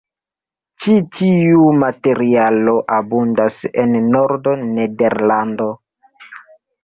Ĉi tiu materialo abundas en Nord-Nederlando.